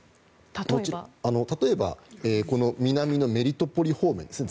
例えばこの南のメリトポリ方面ですね。